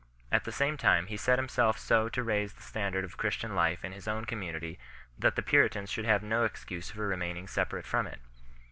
At the same time he set himself so to raise the standard of Christian life in his own community that the puritans should have no excuse for remaining separate from it.